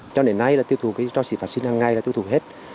cho đến nay là tiêu thụ cho xỉ phát xin hàng ngày là tiêu thụ hết